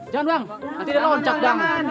jangan bang nanti dia loncat